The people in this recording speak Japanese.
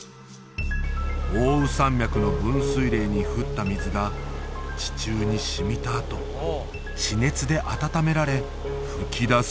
奥羽山脈の分水嶺に降った水が地中に染みたあと地熱で温められ噴き出す